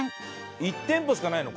１店舗しかないの？